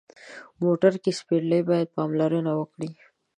موټر کې سپرلي باید پاملرنه وکړي.